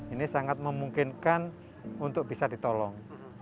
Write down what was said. ini sangat memungkinkan untuk bisa ditolong